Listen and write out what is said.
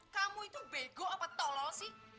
kamu itu bego apa tolong sih